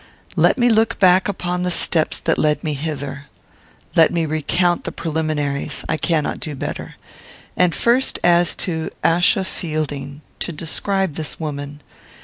Let me look back upon the steps that led me hither. Let me recount the preliminaries. I cannot do better. And first as to Achsa Fielding, to describe this woman.